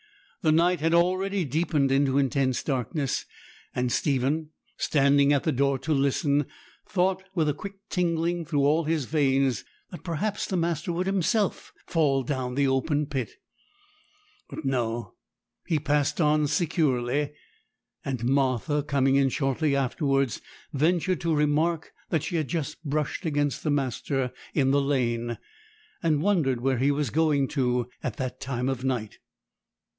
The night had already deepened into intense darkness; and Stephen, standing at the door to listen, thought, with a quick tingling through all his veins, that perhaps the master would himself fall down the open pit. But no, he passed on securely; and Martha, coming in shortly afterwards, ventured to remark that she had just brushed against the master in the lane, and wondered where he was going to at that time of night.